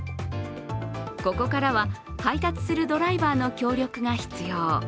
ここからは配達するドライバーの協力が必要。